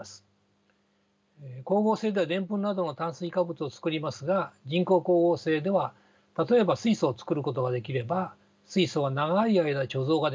光合成ではでんぷんなどの炭水化物を作りますが人工光合成では例えば水素を作ることができれば水素は長い間貯蔵ができます。